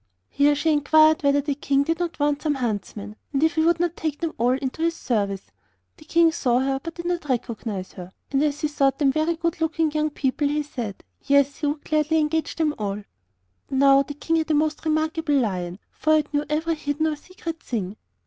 Here she enquired whether the King did not want some huntsmen, and if he would not take them all into his service. The King saw her but did not recognize her, and as he thought them very good looking young people, he said, 'Yes, he would gladly engage them all.' So they became the twelve royal huntsmen. Now, the King had a most remarkable Lion, for it knew every hidden or secret thing.